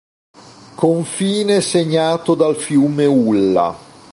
Confine segnato dal fiume Ulla.